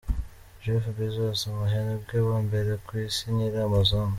Jeff Bezos umuherwe wa mbere ku isi nyiri Amazon.